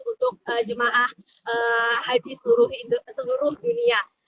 untuk jemaah haji seluruh dunia